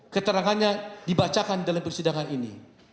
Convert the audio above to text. keterangannya dibacakan dalam persidangan ini